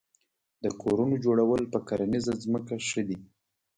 د کورونو جوړول په کرنیزه ځمکه ښه دي؟